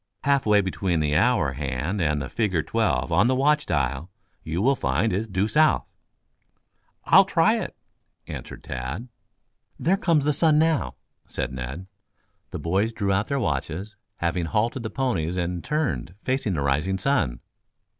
Half way between the hour hand and the figure twelve on the watch dial you will find is due south." "I'll try it," answered Tad. "There comes the sun now," said Ned. The boys drew out their watches, having halted the ponies and turned facing the rising sun.